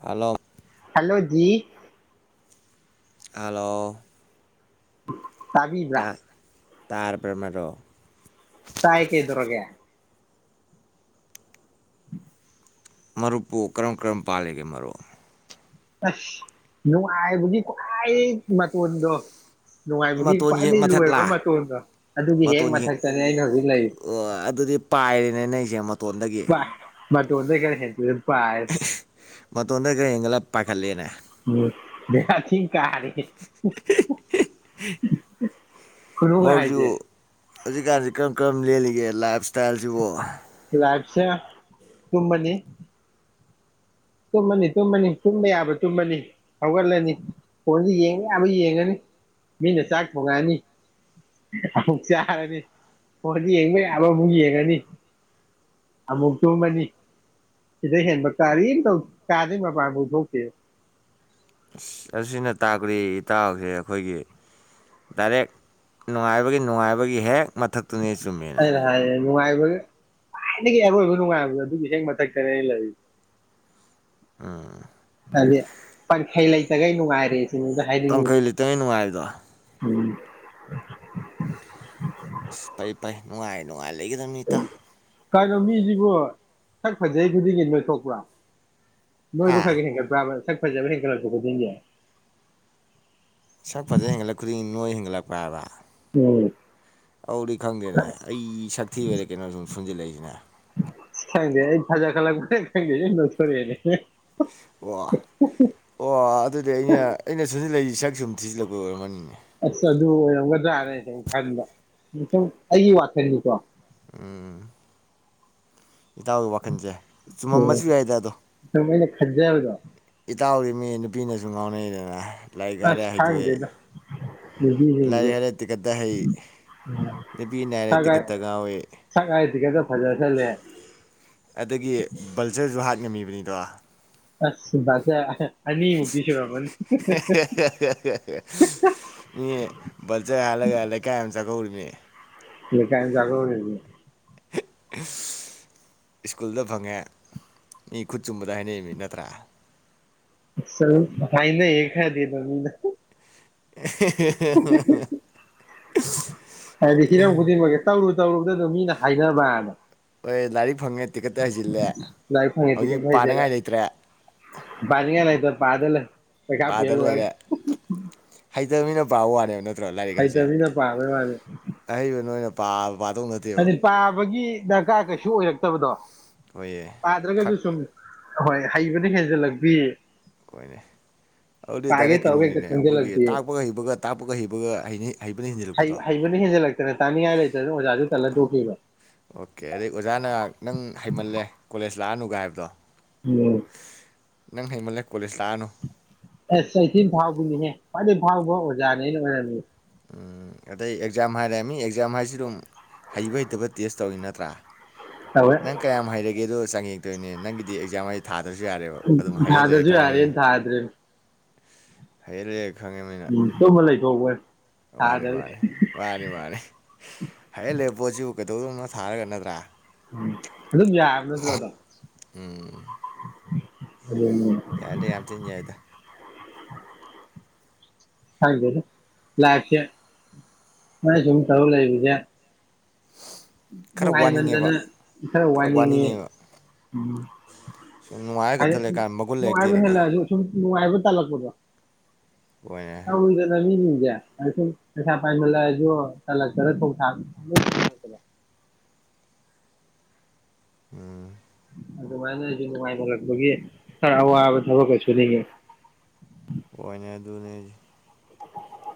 Hello. ꯍꯜꯂꯣꯖꯤ hello ꯇꯥꯕꯤꯕ꯭ꯔꯥ ꯇꯥꯔꯕ꯭ꯔ ꯃꯔꯨꯞ ꯇꯥꯏ ꯀꯩꯗꯧꯔꯒꯦ꯫ ꯃꯔꯨꯞꯄꯨ ꯀꯔꯝ ꯀꯔꯝ ꯄꯥꯜꯂꯤꯒꯦ ꯃꯔꯨꯞ ꯑꯁ ꯅꯨꯡꯉꯥꯏꯕꯒꯤ ꯈ꯭ꯋꯥꯏ ꯃꯇꯣꯟꯗꯣ ꯅꯨꯡꯉꯥꯏꯕꯒꯤ ꯃꯇꯣꯟ ꯌꯦꯛ ꯈ꯭ꯋꯥꯏꯗꯒꯤ ꯂꯣꯏꯔꯕ ꯃꯊꯛꯂꯥ ꯃꯇꯣꯟꯗꯣ ꯑꯗꯨꯒꯤ ꯍꯦꯛ ꯃꯇꯣꯟ ꯌꯦꯛ ꯃꯊꯛꯇꯅꯦ ꯑꯩꯅ ꯍꯧꯖꯤꯛ ꯂꯩꯔꯤꯖꯦ ꯑꯗꯨꯗꯤ ꯄꯥꯏꯔꯦꯅꯦ ꯅꯪꯁꯦ ꯃꯇꯣꯟꯗꯒꯤ [unintelligible] ꯃꯇꯣꯟꯗꯒꯤ ꯈ꯭ꯔ ꯍꯦꯟꯇꯣꯛꯏꯝ ꯃꯇꯣꯟꯗꯩ ꯈꯔ ꯍꯦꯟꯒꯠꯂꯞ꯫ ꯄꯥꯏꯈꯠꯂꯤꯅꯦ [unintelligible] ꯕꯦꯔꯥ ꯊꯤ ꯇꯥꯔꯦꯍꯦ꯫ [unintelligible] [unintelligible] ꯈꯨꯅꯨꯡꯉꯥꯏꯖꯦ꯫ ꯍꯧꯖꯤꯛꯀꯥꯟꯁꯦ ꯀꯔꯝ ꯀꯔꯝ ꯂꯦꯜꯂꯤꯒꯦ ꯂꯥꯏꯐ꯫ ꯇꯥꯏꯜꯁꯤꯕꯣ꯫ ꯁꯦ ꯇꯨꯝꯃꯅꯤ꯫ ꯇꯨꯝꯃꯅꯤ ꯇꯨꯝꯃꯅꯤ ꯇꯨꯝꯕ ꯌꯥꯕ ꯇꯨꯝꯃꯅꯤ ꯍꯧꯒꯠꯂꯅꯤ ꯐꯣꯟꯁꯤ ꯌꯦꯡꯕ ꯌꯥꯕ ꯌꯦꯡꯉꯅꯤ ꯃꯤꯅ ꯆꯥꯛ ꯊꯣꯡꯉꯛꯑꯅꯤ ꯑꯃꯨꯛ ꯆꯥꯔꯅꯤ ꯐꯣꯟꯁꯤ ꯌꯦꯡꯕ ꯌꯥꯕ ꯑꯃꯨꯛ ꯌꯦꯡꯉꯅꯤ꯫ ꯑꯃꯨꯛ ꯇꯨꯝꯃꯅꯤ ꯁꯤꯗꯩꯩ ꯍꯦꯟꯕ ꯀꯔꯤꯝ ꯇꯧꯗꯦ ꯀꯥꯗꯩꯩ ꯃꯄꯥꯟ ꯐꯥꯎ ꯊꯣꯛꯇꯦ꯫ ꯑꯁꯤꯅ ꯇꯥꯛꯄꯗꯤ ꯏꯇꯥꯎꯁꯦ ꯑꯩꯈꯣꯏꯒꯤ ꯗꯥꯏꯔꯦꯛ ꯅꯨꯡꯉꯥꯏꯕꯒꯤ ꯅꯨꯡꯉꯥꯏꯕꯒꯤ ꯍꯦꯛ꯫ ꯃꯊꯛꯇꯨꯅꯦ ꯆꯨꯝꯃꯦꯅꯦ꯫ ꯑꯩꯅ ꯍꯥꯏꯌꯦ ꯅꯨꯡꯉꯥꯏꯕ ꯈ꯭ꯋꯥꯏꯗꯒꯤ ꯑꯔꯣꯏꯕ ꯅꯨꯡꯉꯥꯏꯕꯗꯣ ꯑꯗꯨꯒꯤ ꯍꯦꯛ ꯃꯊꯛꯇꯅꯦ ꯑꯩꯅ ꯂꯩꯔꯤꯁꯦ꯫ ꯎꯝ꯫ ꯍꯥꯏꯗꯤ ꯄꯟꯈꯩ ꯂꯩꯇꯒꯩ ꯅꯨꯡꯉꯥꯏꯔꯦ꯫ ꯁꯤꯅꯤꯗ ꯍꯥꯏꯅꯤꯡꯉꯤ ꯄꯟꯈꯩ ꯂꯩꯇꯒꯩ ꯅꯨꯡꯉꯥꯏꯕꯗꯣ꯫ [unintelligible] ꯏꯁ ꯐꯩ ꯐꯩ ꯅꯨꯉꯥꯏꯔꯤꯗꯣ꯫ ꯅꯨꯉꯥꯏ ꯂꯩꯒꯗꯝꯅꯤ ꯏꯇꯥꯎ꯫ ꯀꯩꯅꯣ ꯃꯤꯁꯤꯕꯨ ꯁꯛ ꯐꯖꯩ ꯈꯨꯗꯤꯡꯒꯤ ꯅꯣꯏꯊꯣꯛꯄ꯭ꯔꯥ꯫ ꯅꯣꯏꯕ ꯈꯔ ꯍꯥ ꯈꯔ ꯍꯦꯟꯒꯠꯄ꯭ꯔꯕ ꯁꯛ꯫ ꯐꯖꯕ ꯍꯦꯟꯀꯠꯂꯛꯄ ꯈꯨꯗꯤꯡꯒꯤ꯫ ꯁꯛ ꯐꯖꯕ ꯍꯦꯟꯒꯠꯂꯛ ꯈꯨꯗꯤꯡꯒꯤ ꯅꯣꯏ꯫ ꯂꯛꯄ꯭ꯔꯥꯕ ꯎꯝ꯫ ꯑꯧꯗꯤ ꯈꯪꯗꯦꯅꯦ ꯑꯩ ꯁꯛꯊꯤ ꯚꯩꯔꯥ ꯀꯩꯅꯣ ꯁꯨꯝ ꯁꯣꯟꯖꯤꯜꯂꯛꯏꯁꯤꯅ꯫ ꯈꯦꯡꯗꯦ ꯑꯩ ꯐꯖꯈꯠꯂꯛꯄꯩꯔ ꯈꯪꯗꯦ [unintelligible] ꯑꯣ ꯑꯣ ꯑꯗꯨꯗꯤ ꯑꯩꯅ ꯑꯩꯅ ꯁꯣꯟꯖꯟꯂꯛꯏꯁꯤ ꯁꯛ ꯁꯨꯝ ꯊꯤꯖꯤꯜꯂꯛ [unintelligible] ꯑꯁ ꯑꯗꯨ ꯑꯣꯏꯔꯝꯒꯗ꯭ꯔꯥꯅ ꯑꯩꯅ ꯁꯨꯝ ꯈꯟꯕ ꯁꯨꯝ ꯑꯩꯒꯤ ꯋꯥꯈꯜꯅꯤꯀꯣ ꯎꯝ꯫ ꯏꯇꯥꯎꯒꯤ ꯋꯥꯈꯜꯁꯦ ꯆꯨꯝꯃꯝꯕꯁꯨ ꯌꯥꯏꯗ ꯑꯗꯣ ꯁꯨꯝ ꯑꯩꯅ ꯈꯟꯖꯕꯗꯣ ꯏꯇꯥꯎꯗꯤ ꯃꯤ ꯅꯨꯄ ꯅꯨꯄꯤꯅꯁꯨ ꯉꯥꯎꯅꯩꯗꯅ ꯂꯥꯏꯔꯤꯛ ꯍꯥꯏꯔꯦ ꯑꯁ ꯍꯩꯗꯣꯛꯏ ꯈꯪꯗꯦꯗ ꯂꯥꯏꯔꯤꯛ ꯅꯨꯄꯤꯁꯤꯡꯁꯦ ꯍꯥꯏꯔꯦ ꯇꯤꯈꯠꯇ ꯍꯩ ꯅꯨꯄꯤꯅ ꯍꯥꯏꯔꯦ ꯈꯔ ꯈꯔ ꯇꯤꯀꯠꯇ ꯉꯥꯎꯋꯤ ꯁꯛ ꯍꯥꯏꯗꯤꯒꯗ ꯐꯖꯁꯜꯂꯦ ꯑꯗꯒꯤ ꯚꯜꯆꯔꯁꯨ ꯍꯥꯠ ꯉꯝꯃꯤꯕꯅꯤꯗ ꯑꯁ ꯑꯅꯤ ꯃꯨꯀꯇꯤ ꯁꯨꯔꯝꯃꯅꯤ꯫ ꯃꯤ ꯕꯜꯆꯔ ꯍꯥꯠꯂꯒ ꯂꯩꯀꯥꯏ [unintelligible] ꯃꯤ ꯂꯩꯀꯥꯏ ꯑꯃ ꯆꯥꯛꯀꯧꯔꯤꯕꯅꯤ ꯁ꯭ꯀꯨꯜꯗ ꯐꯪꯉꯦ ꯃꯤ ꯈꯨꯠ ꯆꯨꯝꯕꯗ ꯍꯥꯏꯅꯔꯤꯕ ꯅꯤ ꯅꯠꯇ꯭ꯔꯥ? [unintelligible] ꯍꯥꯏꯅꯩꯌꯦ ꯈꯔꯗꯤ ꯗꯨꯝ ꯃꯤꯅ ꯍꯥꯏꯗꯤ ꯍꯤꯔꯝ ꯈꯨꯗꯤꯡꯃꯛꯀꯤ [unintelligible] ꯇꯧꯔꯨ [unintelligible] ꯃꯤꯅ ꯍꯥꯏꯅꯕꯗꯣ ꯍꯣꯏ ꯂꯥꯏꯔꯤꯛ ꯐꯪꯉꯦ ꯇꯤꯛꯈꯠꯇꯅ ꯍꯩꯖꯤꯜꯂꯦ ꯂꯥꯏꯔꯤꯛ ꯐꯪꯉꯦ ꯇꯤꯀꯦꯠ ꯍꯧꯖꯤꯛ ꯍꯩꯖꯤꯜꯂꯦ ꯄꯥꯅꯤꯡꯉꯥꯏ ꯂꯩꯇ꯭ꯔꯦ ꯀꯥꯗ ꯂꯩ ꯄꯩꯈꯥ ꯄꯥꯗ ꯐꯦꯜ ꯑꯣꯏꯔꯒ ꯂꯩꯔꯦ ꯍꯩ [unintelligible] ꯄꯥꯕꯋꯥꯔꯦ ꯅꯠ ꯍꯩꯇꯕꯤꯅ ꯄꯥꯕ ꯋꯥꯅꯦ ꯄꯥ ꯑꯗꯩ ꯄꯥꯕꯒꯤ ꯗꯔꯀꯥꯔ ꯀꯩꯁꯨ ꯑꯣꯏꯔꯛ ꯑꯩꯈꯣꯏꯒꯤ [unintelligible] ꯄꯥꯗ꯭ꯔꯒꯖꯨ ꯈꯪ ꯁꯨꯝ ꯍꯣꯏ ꯍꯩꯕꯅ ꯍꯦꯟꯖꯤꯜꯂꯛꯄꯤ ꯍꯣꯏꯅꯦ ꯑꯗꯨꯗꯤ ꯗꯥꯏꯔꯦꯛ ꯇꯧꯔꯒ ꯍꯦꯛꯇ ꯀꯩꯅꯣꯅꯤꯅꯦ ꯑꯩꯈꯣꯏꯒꯤ ꯈꯪꯖꯜꯂꯛꯄꯤ ꯇꯥꯛꯄꯒ ꯍꯩꯕꯒ ꯇꯥꯛꯄꯒ ꯍꯩꯕꯒ ꯍꯩꯅꯤ ꯍꯩꯕꯅ ꯍꯩ ꯍꯤꯟꯖꯤꯜꯂꯛꯄꯗꯣ ꯍꯩꯕꯅ ꯍꯦꯟꯖꯜꯂꯛꯇꯅ [inaudible] ꯑꯣ ꯇꯣꯛꯈꯤꯕ ꯑꯣꯀꯦ ꯑꯗꯩ ꯑꯣꯖꯥꯅ ꯅꯪ ꯍꯩꯃꯜꯂꯦ ꯀꯣꯂꯦꯖ ꯂꯥꯛꯑꯅꯨ ꯒꯥꯏ ꯍꯥꯏꯕꯗꯣ ꯎꯝ ꯅꯪ ꯍꯩꯃꯜꯂꯦ ꯀꯣꯂꯦꯖ ꯂꯥꯛꯑꯅꯨ ꯑꯦꯁ ꯑꯩ ꯊꯤꯟꯅ ꯐꯥꯎꯕꯤꯅꯤꯍꯦ [unintelligible] ꯈ꯭ꯋꯥꯏꯗꯒꯤ ꯐꯥꯎꯕ ꯑꯣꯖꯥꯅꯦ ꯑꯩꯅ ꯑꯣꯏꯔꯝꯃꯤ ꯎꯝ ꯑꯗꯩ ꯑꯦꯛꯖꯥꯝ ꯍꯥꯏꯔꯦ ꯃꯤ ꯑꯦꯛꯖꯥꯝ ꯍꯥꯏꯁꯤ ꯑꯗꯨꯝ ꯍꯩꯕ ꯍꯩꯇꯕ ꯇꯦꯁ ꯇꯧꯔꯤ ꯅꯠꯇ꯭ꯔꯥ ꯇꯧꯋꯦ ꯅꯪ ꯀꯌꯥꯝ ꯍꯩꯔꯒꯦꯗꯣ ꯆꯥꯡꯌꯦꯡ ꯇꯣꯏꯅꯦ ꯅꯪꯒꯤꯗꯤ ꯑꯦꯖꯝ ꯑꯩ ꯊꯥ ꯊꯥꯗꯔꯥꯁꯨ ꯌꯥꯔꯦꯅ ꯊꯥꯗ꯭ꯔꯦ ꯍꯩꯔ ꯂꯩꯔꯦ ꯈꯪꯉꯃꯤꯅ ꯎꯝ ꯇꯨꯝꯃ ꯂꯩꯊꯣꯛꯄ ꯃꯥꯅꯤ ꯊꯥꯗꯕꯤ ꯃꯥꯅꯤ ꯃꯥꯅꯤ ꯃꯥꯅꯤ ꯍꯩꯔꯥ ꯂꯩꯔꯥ ꯄꯣꯠꯁꯤꯕꯨ ꯀꯩꯗꯧꯗꯧꯅꯣ ꯊꯥꯔꯒ ꯅꯠꯇ꯭ꯔꯥ ꯑꯗꯨꯝ ꯌꯥꯔꯥꯕ ꯅꯠꯇꯔꯣ ꯑꯗꫭ ꯎꯝ ꯨꯎꯝ ꯌꯥꯏꯗ ꯌꯥꯝ ꯊꯤꯅ ꯌꯥꯏꯗ ꯈꯪꯗꯦꯅꯦ ꯂꯥꯏꯐ ꯁꯦ ꯁꯨꯃꯥꯏꯅ ꯁꯨꯝ ꯇꯧꯔ ꯂꯩꯔꯤꯖꯦ ꯈꯔ ꯅꯨꯡꯉꯥꯏꯃꯟꯗꯅ ꯋꯥꯅꯤꯡꯉꯦꯕ ꯈꯔ ꯋꯥꯏꯅꯤꯡꯉꯦ ꯎꯝ ꯁꯨꯝ ꯍꯥꯏꯗꯤ ꯅꯨꯡꯉꯥꯏꯔꯥꯈꯛꯇ ꯂꯩꯀꯥꯟꯗ ꯃꯒꯨꯟ ꯅꯨꯡꯉꯥꯏꯕ ꯂꯩꯔꯛꯇꯦꯗꯅ ꯍꯦꯜꯂꯛꯑꯁꯨ ꯁꯨꯝ ꯅꯨꯡꯉꯥꯏꯕ ꯇꯜꯂꯛꯄꯗꫭ ꯍꯣꯏꯅꯦ [unintelligible] [unintelligible] ꯎꯝ ꯑꯗꯨꯃꯥꯏꯅꯁꯨ ꯅꯨꯡꯉꯥꯏꯅꯔꯛꯄꯒꯤ ꯈꯔ ꯑꯋꯥꯕ ꯊꯕꯛꯀ ꯁꯨꯅꯤꯡꯉꯦ ꯑꯣꯏꯅꯦ ꯑꯗꯨꯅꯦ꯫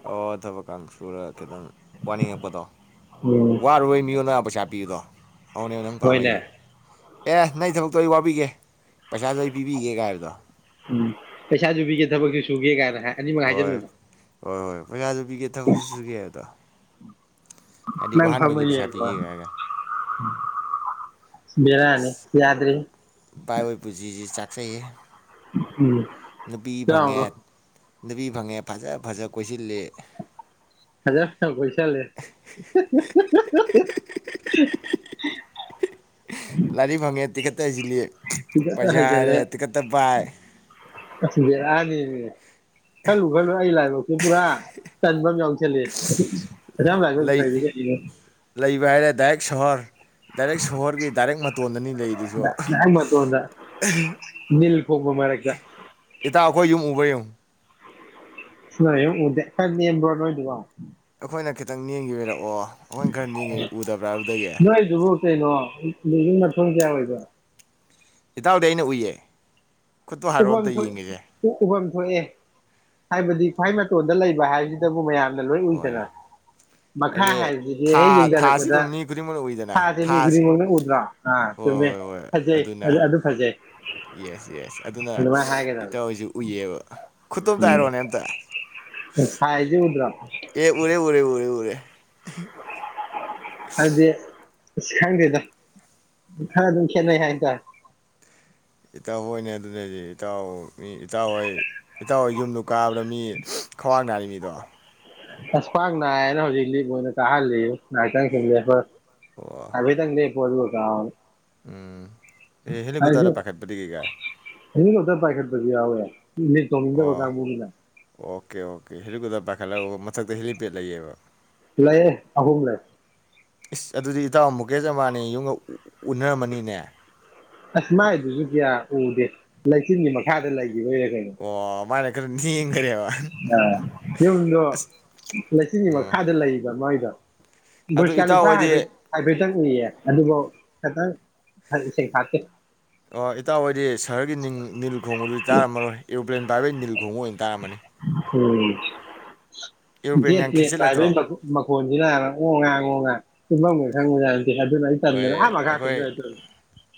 ꯑꯣ ꯊꯕꯛ ꯀꯥꯡ ꯁꯨꯔ ꯈꯤꯇꯪ ꯋꯥꯅꯤꯡꯉꯛꯄꯗꯣ ꯋꯥꯔꯨꯔꯣꯏ ꯃꯤꯉꯣꯟꯅ ꯄꯩꯁꯥ꯫ ꯕꯤꯗ꯫ ꯑꯧꯅꯦ ꯅꯪ ꯍꯣꯏꯅꯦ ꯄꯥꯝꯃꯩꯁꯦ꯫ ꯑꯦ ꯅꯩ ꯊꯕꯛꯇꯣ ꯑꯩ ꯋꯥꯕꯤꯒꯦ ꯄꯩꯁꯥꯗꯣ ꯑꯩ ꯄꯤꯕꯤꯒꯦ ꯒꯍꯥꯏꯕꯗꯣ ꯎꯝ ꯄꯩꯁꯥꯁꯨ ꯄꯤꯒꯦ ꯊꯕꯛꯁꯨ ꯁꯨꯒꯦ ꯀꯥꯏꯅ ꯍꯥꯏ ꯑꯅꯤꯃꯛ ꯍꯣꯏ ꯍꯥꯏꯖꯟꯕꯗꯣ ꯍꯣꯏ ꯍꯣꯏ ꯄꯩꯁꯥꯁꯨ ꯄꯤꯒꯦ ꯊꯕꯛꯁꯨꯨ ꯁꯨꯒꯦ ꯑꯗꯣ ꯍꯥꯏꯗꯤ ꯋꯥꯍꯟꯕꯒꯤ ꯄꯩꯁꯥ ꯄꯤꯒꯦ ꯍꯥꯏꯔꯒ ꯎꯝ ꯕꯦꯔꯥꯅꯤ ꯌꯥꯗ꯭ꯔꯦꯍꯦ ꯆꯩꯌꯦ ꯅꯨꯄꯤ ꯐꯪꯉꯦ꯫ ꯌꯥꯎꯔꯣ ꯅꯨꯄꯤ ꯐꯪꯉꯦ ꯐꯖꯥ ꯐꯖꯥ ꯀꯣꯏꯁꯤꯜꯂꯤ꯫ ꯐꯖꯥ ꯐꯖꯥ ꯀꯣꯏꯁꯤꯜꯂꯤ ꯂꯥꯏꯔꯤꯛ ꯐꯪꯉꯦ ꯇꯤꯛꯀꯠꯇ ꯍꯩꯁꯤꯜꯂꯤ ꯄꯤꯛꯇꯛꯇ ꯄꯩꯁꯥ ꯍꯥꯏꯔꯦ ꯇꯤꯀꯠꯇ ꯄꯥꯏ ꯑꯁꯥ ꯕꯦꯔꯅꯦꯃꯤ ꯈꯜꯂꯨ ꯈꯜꯂꯨꯔ ꯑꯩ ꯂꯥꯏꯕꯛꯁꯦ ꯄꯨꯔꯥ ꯇꯟꯖꯝꯌꯥꯎ ꯖꯤꯜꯂꯦ ꯑꯗꯨꯃꯌ꯭ꯥꯝ ꯂꯥꯏꯕꯛ ꯐꯥꯔꯤꯗꯨꯗ ꯍꯌꯦꯡ ꯕꯍꯥꯏꯔꯦ ꯗꯥꯏꯔꯦꯛ ꯁꯍꯣꯔ ꯗꯥꯏꯔꯦꯛ ꯁꯣꯍꯣꯔꯒꯤ ꯗꯥꯏꯔꯦꯛ ꯃꯇꯣꯟꯗꯅꯤ ꯂꯩꯗꯨꯁꯨ꯫ ꯅꯥꯛ ꯄꯣꯝꯕ ꯃꯔꯛꯇ ꯏꯇꯥꯎ ꯑꯩꯈꯣꯏ ꯌꯨꯝ ꯎꯕ ꯌꯦꯡꯉꯨ ꯅꯣꯏꯌꯨꯝꯎꯗꯦ ꯈꯔꯥ ꯅꯦꯝꯕ꯭ꯔꯣ ꯅꯣꯏꯗꯨꯕꯣ ꯑꯩꯈꯣꯏꯅ ꯈꯤꯇꯪ ꯅꯦꯝꯒꯤꯕꯩꯔ ꯑꯣ ꯍꯣꯏ ꯈꯔꯥ ꯅꯦꯝꯒꯤꯕꯩ ꯎꯗꯕ꯭ꯔꯥ ꯑꯗꯨꯗꯒꯤ ꯅꯣꯏꯗꯨꯕꯨ ꯀꯩꯅꯣ ꯕꯤꯜꯗꯤꯡ ꯃꯊꯣꯟ ꯀꯌꯥ ꯑꯣꯏꯒꯦ ꯏꯇꯥꯎꯗꯤ ꯑꯩꯅ ꯎꯏꯌꯦ ꯈꯨꯠꯇꯣ ꯍꯥꯏꯔꯛꯑꯣ ꯑꯝꯇ ꯎꯍꯟꯍꯣꯏ ꯌꯦꯡꯒꯤꯒꯦ ꯎꯍꯟ ꯊꯣꯛꯑꯦ ꯍꯥꯏꯕꯗꯤ ꯈ꯭ꯋꯥꯏ ꯃꯇꯣꯟꯗ ꯂꯩꯕ ꯍꯥꯏꯕꯁꯤꯗꯕꯨ ꯃꯌꯥꯝ ꯑꯣꯏꯔꯦ ꯂꯣꯏꯎꯏꯗꯅ ꯃꯈꯥ ꯍꯥꯏꯗꯤ ꯍꯥꯏꯕꯁꯤꯗꯤ ꯍꯦꯛ ꯊꯥ ꯊꯥꯁꯤ ꯌꯦꯡꯗꯔꯛꯄꯗ ꯑꯗꯨꯝ ꯃꯤ ꯈꯨꯗꯤꯡꯃꯛꯅ ꯎꯏꯗꯅ ꯁꯥꯥꯁꯦ ꯃꯤ ꯊꯥꯁꯤ ꯈꯨꯗꯤꯡꯃꯛꯅ ꯎꯗ꯭ꯔꯣ ꯑꯥ ꯍꯣꯏ ꯆꯨꯝꯃꯦ ꯍꯣꯏ ꯍꯣꯏ ꯐꯖꯩ ꯑꯗꯨꯅ ꯑꯗꯨ ꯐꯖꯩ ꯌꯦꯁ ꯌꯦꯁ ꯑꯗꯨꯅ ꯑꯗꯨꯃꯥꯏꯅ ꯍꯥꯏꯒꯗꯕꯅꯤ ꯏꯇꯥꯎꯍꯣꯏꯁꯨ ꯎꯏꯌꯦꯕ꯫ ꯈꯨꯠꯇꯣ ꯑꯝꯇ ꯍꯥꯏꯔꯛꯑꯣꯅꯦ ꯑꯝꯇ ꯎꯝ ꯁꯥꯏꯖꯦ ꯎꯗꯔꯣ ꯑꯦ ꯎꯔꯦ ꯎꯔꯦ ꯎꯔꯦ ꯎꯔꯦ꯫ [unintelligible] ꯍꯥꯏꯗꯤ ꯏꯁ ꯈꯪꯗꯦꯗꯣ ꯈꯔ ꯑꯗꯨꯝ ꯈꯦꯠꯅꯩ ꯍꯥꯏ ꯇꯔꯦ꯫ ꯏꯇꯥꯎꯍꯣꯏꯅꯦ ꯑꯗꯨꯅꯗꯤ ꯍꯥꯏꯁꯦ ꯏꯇꯥꯎ ꯃꯤ ꯏꯇꯥꯎꯍꯣꯏ ꯏꯇꯥꯎꯍꯣꯏ ꯌꯨꯝꯗꯨ ꯀꯥꯕꯗ ꯃꯤ ꯈ꯭ꯋꯥꯥꯛ ꯅꯥꯔꯤꯅꯤꯗꯣ ꯑꯁ ꯈꯋ꯭ꯥꯡ ꯅꯥꯏꯅ ꯍꯧꯖꯤꯛ ꯂꯤꯞ ꯑꯣꯏꯅ ꯀꯍꯜꯂꯩꯉꯣ ꯉꯥꯏꯍꯛꯇꯪ ꯁꯨꯝ ꯂꯦꯞꯄꯒ꯫ ꯑꯣ ꯍꯥꯏꯐꯦꯠꯇꯪꯗꯤ [unintelligible] ꯎꯝ ꯑꯦ ꯍꯦꯂꯤꯀꯨꯇꯔꯗ ꯄꯥꯈꯠꯄꯗꯤ ꯀꯩ ꯀꯥꯏ꯫ [inaudible] [inaudible] ꯂꯤꯚ ꯇꯣꯡꯅꯤꯡꯗꯕ ꯑꯣ ꯀꯥꯡꯒꯨꯒꯤꯅ꯫ ꯑꯣꯀꯦ ꯑꯣꯀꯦ ꯍꯦꯂꯤꯀꯨꯞꯇꯔ ꯄꯥꯏꯈꯠꯂꯛꯒ ꯃꯊꯛꯇ ꯍꯦꯂꯤꯄꯦꯗ ꯂꯩꯌꯦꯕ ꯂꯩꯑꯦ ꯑꯍꯨꯝ ꯂꯩ ꯏꯁ ꯑꯗꯨꯗꯤ ꯏꯇꯥꯎ ꯃꯨꯛꯀꯦꯖ ꯑꯃꯕꯅꯤꯒꯤ ꯌꯨꯝꯒ ꯎꯅꯔꯝꯃꯅꯤꯅꯦ ꯑꯁ ꯃꯥꯏꯗꯨꯁꯨ ꯀꯌꯥ ꯎꯗꯦ ꯂꯩꯆꯤꯟꯒꯤ ꯃꯈꯥꯗ ꯂꯩ꯫ ꯑꯣ ꯃꯥꯅꯦ ꯌꯨꯝꯗꯣ ꯑꯁ ꯂꯩꯆꯤꯟꯒꯤ ꯑꯣ ꯃꯈꯥꯗ ꯂꯩꯕ ꯃꯥꯏꯗꯣ ꯑꯗꯨ ꯏꯇꯥꯎ ꯕꯔꯨꯁꯀꯂꯤꯐꯥ ꯍꯣꯏꯗꯤ ꯍꯥꯏꯐꯦꯠ ꯌꯦ ꯑꯗꯨꯐꯥꯎ ꯈꯤꯇꯪ ꯁꯦꯛꯐꯥꯠꯇꯦ ꯑꯣ ꯏꯇꯥꯎ ꯍꯣꯏꯗꯤ ꯁꯍꯔꯒꯤ ꯅꯤꯡ ꯅꯤꯜ ꯈꯣꯡꯕꯗꯨꯗꯤ ꯇꯥꯔꯝꯃꯔꯣꯏ ꯄꯂ꯭ꯦꯟ ꯄꯥꯏꯕꯩ ꯅꯤꯟ [inaudible] ꯑꯣꯏꯅ ꯇꯥꯔꯃꯅꯤ ꯎꯝ ꯖꯦꯠ ꯈꯦꯠꯆꯤꯜꯂꯛꯇ꯭ꯔꯣ ꯄꯂꯦꯟ ꯄꯥꯏꯕꯩ ꯃꯈꯣꯟꯁꯤꯅ ꯉꯣꯉꯥ ꯉꯣꯉꯥ ꯇꯨꯝꯕꯥꯝꯒ [inaudible] ꯑꯗꯨꯅ ꯑꯩ ꯍꯣꯏ ꯇꯟꯗꯅ ꯑꯥ ꯃꯈꯥꯗꯥ ꯑꯩꯈꯣꯏ ꯀꯨꯝꯗꯔꯥ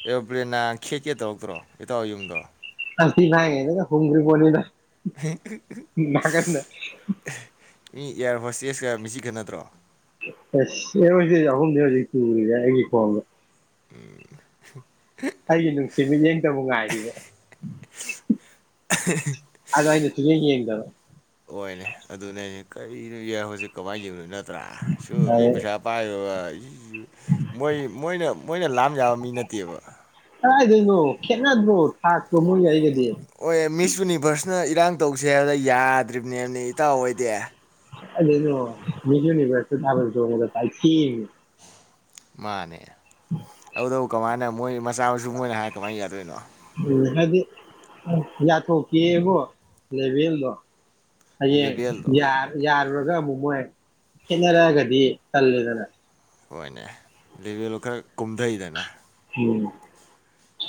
ꯑꯦꯔꯣꯄ꯭ꯂꯦꯟꯅ ꯈꯦꯠꯀꯦ ꯇꯧꯔꯛꯇ꯭ꯔꯣ ꯏꯇꯥꯎ ꯍꯣꯏ ꯌꯨꯝꯗꯣ ꯑꯁ ꯊꯤ ꯐꯥꯏꯔꯤ ꯉꯩꯗ ꯒꯥ ꯍꯨꯝꯒꯔ꯭ꯤ ꯄꯣꯠꯅꯤꯗ [inaudible] ꯃꯤ ꯑꯦꯌꯔ ꯍꯣꯁꯇꯦꯁ ꯀꯥ ꯃꯤꯆꯤ ꯈꯠꯅꯗꯔꯣ [inaudible] ꯎꯝ ꯑꯩꯒꯤ ꯅꯨꯡꯁꯤꯕꯤꯅꯦ ꯑꯩꯇꯕꯨ ꯉꯥꯏꯔꯤꯕ ꯑꯗꯣ ꯑꯩꯅ ꯁꯨꯛꯌꯦꯡ ꯌꯦꯡꯗꯕ꯫ ꯍꯣꯏꯅꯦ ꯑꯗꯨꯅꯦ [unintelligible] ꯀꯔꯤꯅꯣ ꯌꯥꯏ ꯍꯧꯖꯤꯛ ꯀꯃꯥꯏꯅ ꯌꯦꯡꯗꯣꯏ ꯅꯠꯇ꯭ꯔꯣ? [unintelligible] ꯁꯨ ꯃꯤ ꯑꯗꯩ ꯄꯩꯁꯥ ꯄꯥꯏꯕꯒ ꯃꯣꯏ ꯃꯣꯏꯅ ꯃꯣꯏꯅ ꯂꯥꯝ ꯌꯥꯕ ꯃꯤ ꯅꯠꯇꯦꯕ꯫ ꯀꯔꯤꯅꯣ ꯈꯦꯠꯅꯗ꯭ꯔꯣ ꯊꯥꯛꯇꯣ ꯃꯣꯏꯒ ꯑꯩꯒꯗꯤ? ꯍꯣꯏ ꯃꯤꯁ ꯌꯨꯅꯤꯚꯔꯁꯅ ꯏꯔꯥꯡ ꯇꯧꯁꯦ ꯍꯥꯏꯕꯗ ꯌꯥꯗ꯭ꯔꯤꯕꯅꯦꯕꯅꯦ ꯏꯇꯥꯎ ꯑꯩꯗꯤ꯫ [unintelligible] [unintelligible] ꯃꯤꯁ ꯌꯨꯅꯤꯚꯖꯇꯣ ꯊꯥꯕꯜ ꯆꯣꯡꯕꯗ ꯄꯥꯏꯊꯦꯛꯏꯅꯤ꯫ ꯃꯥꯅꯦ ꯑꯗꯨꯗꯕꯨ ꯀꯃꯥꯏꯅ? ꯃꯣꯏ ꯃꯆꯥ ꯃꯁꯨ ꯃꯣꯏꯅ ꯍꯥꯏꯔ ꯀꯃꯥꯏꯅ ꯌꯥꯗꯣꯏꯅꯣ? ꯎ ꯍꯥꯏꯗꯤ ꯌꯥꯊꯣꯛꯀꯦꯕꯣ ꯂꯦꯕꯦꯜꯗꯣ꯫ ꯍꯥꯌꯦꯡ ꯂꯦꯚꯦꯜꯗꯣ ꯌꯥꯔ ꯌꯥꯔ [unintelligible] ꯑꯃꯨꯛ ꯃꯣꯏ ꯈꯦꯠꯅꯔꯛꯑꯒꯗꯤ ꯇꯜꯂꯤꯗꯅ꯫ ꯍꯣꯏꯅꯦ ꯂꯦꯚꯦꯜꯗꯣ ꯈꯔ ꯀꯨꯝꯊꯩꯗꯅ꯫ ꯎꯝ꯫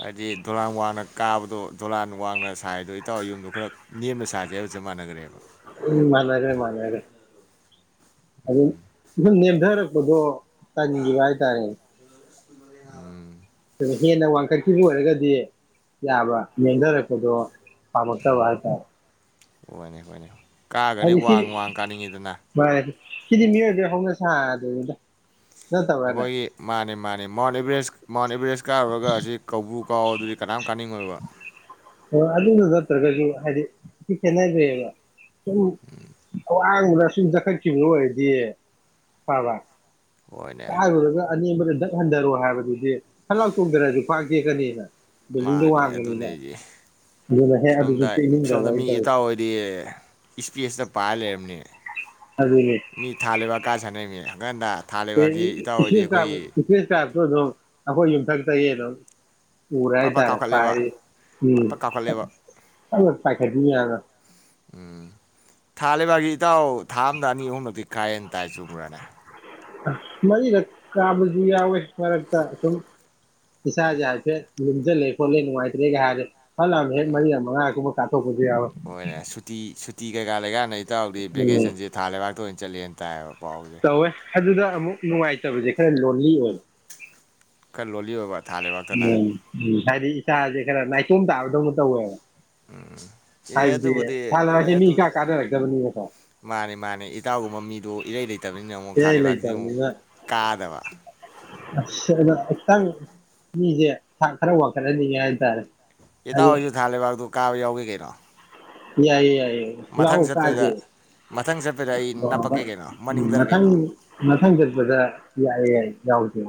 ꯍꯥꯏꯗꯤ ꯗꯣꯂꯥꯟ ꯋꯥꯡꯅ ꯀꯥꯕꯗꯣ ꯗꯣꯂꯥꯟ ꯋꯥꯡꯅ ꯁꯥꯏꯗꯣ ꯏꯇꯥꯎ ꯌꯨꯝꯗꯣ ꯈꯔ ꯅꯦꯝꯅ ꯁꯥꯖꯦꯒ ꯍꯥꯏꯕꯒ ꯆꯞ ꯃꯥꯟꯅꯈ꯭ꯔꯦꯕ꯫ ꯎꯝ ꯃꯅꯔꯦ ꯃꯅꯔꯦ ꯑꯗꯨ [unintelligible] [unintelligible] ꯇꯟꯒꯤꯕ ꯍꯥꯏ ꯇꯥꯔꯦ꯫ [inaudible] ꯑꯗꯨ ꯍꯦꯟꯅ ꯋꯥꯡꯈꯠꯈꯤꯕ ꯑꯣꯏꯔꯒꯗꯤ ꯌꯥꯕ ꯅꯦꯝꯗꯔꯛꯄꯗꯣ꯫ ꯄꯥꯃꯛꯇ ꯍꯥꯏꯇꯥꯔꯦ꯫ ꯍꯣꯏꯅꯦ ꯍꯣꯏꯅꯦ꯫ ꯀꯥꯒꯗꯤ ꯍꯥꯏꯗꯤ ꯁꯤ ꯋꯥꯡ ꯋꯥꯡ ꯀꯥꯅꯤꯡꯉꯤꯗꯅ꯫ ꯃꯥꯅꯦ ꯁꯤꯗꯤ ꯃꯤꯑꯣꯏꯕꯒꯤ ꯍꯧꯅꯁꯥ ꯍꯥꯏꯗꯨꯅꯤꯗ꯫ ꯑꯩꯈꯣꯏꯒꯤ ꯃꯥꯅꯦ ꯃꯥꯅꯦ ꯃꯥꯎꯟ ꯑꯦꯚ꯭ꯔꯦꯁ ꯃꯥꯎꯟ ꯑꯦꯚ꯭ꯔꯦꯁ ꯏꯁ ꯀꯥꯔꯨꯔꯒ ꯑꯁꯤ ꯀꯧꯕ꯭ꯔꯨ ꯀꯥꯎ ꯑꯗꯨꯗꯤ ꯀꯅꯥꯝ ꯀꯥꯅꯤꯡꯉꯣꯏꯕ꯫ [unintelligible] ꯑꯣ ꯑꯗꯨꯗ ꯅꯠꯇ꯭ꯔꯒꯁꯨ ꯍꯥꯏꯗꯤ ꯊꯤ ꯈꯦꯠꯅꯈ꯭ꯔꯌꯦꯕ ꯁꯨꯝ ꯑꯋꯥꯡꯕꯗ ꯁꯨꯝ ꯆꯠꯈꯠꯈꯤꯕ ꯑꯣꯏꯔꯗꯤ ꯐꯕ꯫ ꯍꯣꯏꯅꯦ꯫ ꯀꯥꯏꯔꯨꯔꯒ ꯑꯅꯦꯝꯕꯗ ꯗꯛ ꯍꯟꯊꯔꯣ ꯍꯥꯏꯕꯗꯨꯗꯤ ꯐꯟꯂꯥꯎ ꯆꯣꯡꯗꯔꯁꯨ ꯈ꯭ꯋꯥꯡ ꯇꯦꯛꯀꯅꯤꯅ꯫ ꯕꯤꯜꯗꯤꯡꯗꯣ ꯃꯥꯅꯦ ꯑꯗꯨꯅꯦ ꯋꯥꯡꯕꯅꯤꯅ ꯍꯥꯏꯁꯦ꯫ ꯑꯗꯨꯅ ꯍꯦꯛ ꯑꯗꯨꯁꯨ ꯁꯣꯝꯗ ꯇꯦꯛꯅꯤꯡꯗꯕ ꯁꯣꯝꯗ ꯃꯤ ꯑꯩꯅ ꯇꯧꯔꯤꯁꯦ ꯏꯇꯥꯎ ꯍꯣꯏꯗꯤ ꯏꯁꯄꯦꯁꯇ ꯄꯥꯏꯔ ꯂꯩꯔꯕꯅꯤꯅꯦ꯫ ꯃꯤ ꯊꯥ ꯂꯩꯕꯥꯛ ꯀꯥ ꯁꯩ [unintelligible] ꯍꯪꯒꯠ ꯍꯟꯗ ꯏꯦ ꯀꯥꯏꯕꯇꯣ ꯑꯗꯨꯝ ꯑꯩꯈꯣꯏ ꯌꯨꯝꯊꯛꯇꯒꯤ ꯑꯗꯨꯝ [unintelligible] ꯎꯔ ꯄꯠ ꯄꯠ ꯍꯥꯏꯇꯥꯔꯦ ꯀꯥꯎꯈꯠꯂꯦꯕ ꯄꯥꯏꯔꯤ ꯎꯝ ꯄꯠ ꯄꯠ ꯀꯥꯎꯈꯠꯂꯦꯕ ꯄꯥꯏꯈꯒ [unintelligible] ꯎꯝ ꯊꯥ ꯂꯩꯕꯥꯛꯒꯤ ꯏꯇꯥꯎ ꯊꯥ ꯑꯝꯗ ꯑꯅꯤ ꯑꯍꯨꯝꯂꯛꯇꯤ ꯀꯥꯏꯍꯦꯦꯟ ꯇꯥꯏ ꯆꯨꯝꯕ꯭ꯔꯅꯦ꯫ ꯃꯔꯤꯔꯛ ꯀꯥꯕꯁꯨ ꯌꯥꯎꯋꯦ ꯃꯔꯛꯇ ꯁꯨꯝ ꯏꯁꯥꯁꯦ ꯍꯥꯏꯐꯦꯠ ꯂꯨꯝꯁꯤꯜꯂꯦ ꯈꯣꯠꯂꯦ ꯅꯨꯡꯉꯥꯏꯇ꯭ꯔꯦꯒ ꯍꯥꯏꯔꯦ ꯐꯠ ꯂꯥꯎꯅ ꯃꯔꯤꯔꯛ ꯃꯉꯥꯒꯨꯝꯕ ꯀꯥꯞꯊꯣꯛ ꯍꯣꯏ ꯁꯨꯇꯤ ꯇꯤ ꯀꯩꯀꯥꯂꯩꯒꯅꯤ [unintelligible] ꯏꯇꯥꯎꯗꯤ ꯎꯝ ꯚꯦꯀꯦꯁꯟꯁꯤ ꯊꯥꯂꯕꯥꯛꯇ ꯑꯣꯏꯅ ꯆꯂꯤꯍꯥꯏꯅ ꯇꯥꯏꯕ ꯇꯧꯋꯦ ꯑꯗꯨꯗ ꯑꯃꯨꯛ ꯅꯨꯡꯉꯥꯏꯇꯕꯁꯦ ꯈꯔ ꯂꯣꯟꯂꯤ ꯑꯣꯏꯕ꯫ [unintelligible] ꯎꯝ ꯎꯝ ꯍꯥꯏꯗꯤ ꯏꯁꯥꯁꯦ ꯈꯔ ꯅꯥꯏꯇꯣꯝ ꯇꯥꯕꯗꯧꯅ ꯇꯧꯌꯦꯕ ꯑꯦ ꯍꯥꯏꯕꯗꯤ ꯑꯗꯨꯕꯨꯗꯤ ꯍꯣꯏ ꯊꯥꯂꯩꯕꯥꯛꯁꯤ ꯃꯤ ꯏꯀꯥ ꯑꯗꯨꯕꯨꯗꯤ ꯀꯥꯅꯔꯛꯇꯕꯅꯤꯅꯀꯣ꯫ ꯑꯗꯩ ꯏꯇꯥꯎꯒꯨꯝꯕ ꯃꯤꯗꯣ ꯏꯔꯩ ꯂꯩꯇꯕꯅꯤꯅ ꯑꯃꯨꯛ ꯏꯔꯩ ꯊꯥꯕꯥꯛꯁꯤꯗꯤ ꯑꯃꯨꯛ ꯂꯩꯇꯕꯅꯤꯅ ꯀꯥꯗꯕ꯫ ꯑꯁ ꯑꯗꫭ ꯈꯤꯇꯪ ꯃꯤꯁꯦ ꯊꯥꯛ ꯈꯔ ꯋꯥꯈꯠꯍꯟꯅꯤꯡꯉꯦ ꯍꯥꯏꯇꯥꯔꯦ꯫ ꯢꯇꯥꯎ ꯍꯥꯏꯗꯤ ꯑꯣꯏꯁꯨ ꯊꯥ ꯂꯩꯕꯥꯛꯇꯨ [unintelligible] ꯀꯥꯕ ꯌꯥꯎꯒꯦ ꯀꯩꯅꯣ ꯌꯥꯏꯌꯦ ꯌꯥꯏꯌꯦ ꯃꯊꯪ ꯂꯥꯛꯑꯣ ꯆꯠꯄꯩꯗ ꯀꯥꯁꯦ ꯃꯊꯪ ꯆꯠꯄꯗ ꯑꯩ ꯎꯝ ꯅꯞꯄꯛꯀꯦ ꯀꯩꯅꯣ ꯃꯅꯤꯡꯗꯔ ꯃꯊꯪ ꯀꯩꯅꯣ ꯃꯊꯪ ꯆꯠꯄꯗ ꯌꯥꯏꯑꯦ ꯌꯥꯏ ꯌꯥꯎꯁꯦ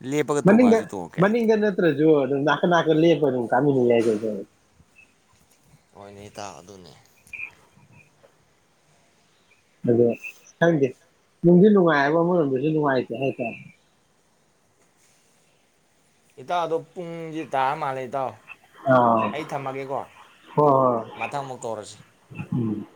ꯂꯦꯞꯄꯒ ꯃꯅꯤꯡꯗ ꯇꯣꯡꯉꯛꯑꯁꯨ ꯇꯣꯡꯉꯛꯀꯦ ꯃꯅꯤꯡꯗ ꯅꯠꯇ꯭ꯔꯁꯨ ꯑꯗꯨꯝ ꯅꯥꯀꯟ ꯅꯥꯀꯟ ꯂꯦꯞꯄ ꯑꯗꯨꯝ ꯀꯥꯃꯤꯟꯅ ꯌꯥꯏ ꯀꯩ ꯍꯣꯏꯅꯦ ꯏꯇꯥꯎ ꯑꯗꯨꯅꯦ ꯑꯗꯣ ꯈꯪꯗꯦ ꯅꯨꯡꯗꯤ ꯅꯨꯡꯉꯥꯏꯕ ꯑꯃꯔꯣꯝꯗꯁꯨ ꯅꯨꯡꯉꯥꯏꯇꯦ ꯍꯥꯏꯇꯥꯔꯦ ꯏꯇꯥꯎꯗꯣ ꯄꯨꯡꯁꯦ ꯇꯥ ꯃꯥꯜꯂꯦ ꯏꯇꯥꯎ ꯑꯥ ꯑꯩ ꯊꯝꯃꯒꯦꯀꯣ ꯍꯣꯏ ꯍꯣꯏ ꯃꯊꯪ ꯑꯃꯨꯛ ꯇꯧꯔꯁꯤ ꯎꯝ